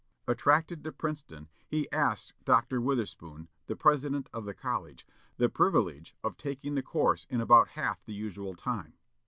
Attracted to Princeton, he asked Dr. Witherspoon, the president of the college, the privilege of taking the course in about half the usual time.